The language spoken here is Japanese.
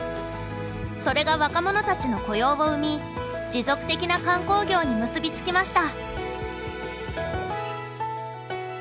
それが若者たちの雇用を生み持続的な観光業に結びつきました。